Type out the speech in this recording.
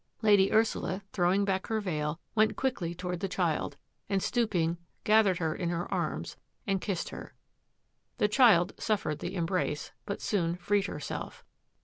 Lady Ursula, throwing back her veil, went quickly toward the child and, stooping, gathered her in her arms and kissed her. The child suffered the embrace, but soon freed herself.